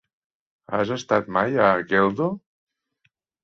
Has estat mai a Geldo?